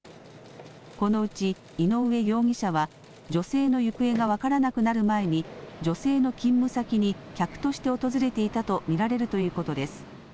このうち井上容疑者は女性の行方が分からなくなる前に女性の勤務先に客として訪れていたと見られるということです。